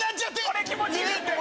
これ気持ちいいですね。